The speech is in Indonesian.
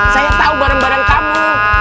saya tahu barang barang kamu